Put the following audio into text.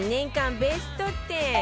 ベスト１０